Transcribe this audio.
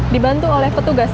dibantu oleh petugas